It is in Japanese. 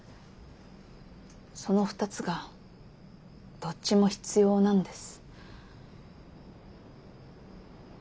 その２つがどっちも必要なんです。